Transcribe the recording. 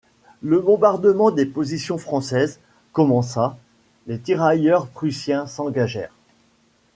Le bombardement des positions françaises, commença, les tirailleurs prussiens s'engagèrent.